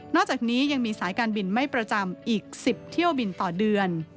อกจากนี้ยังมีสายการบินไม่ประจำอีก๑๐เที่ยวบินต่อเดือน